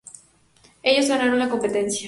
Ellos ganaron la competencia.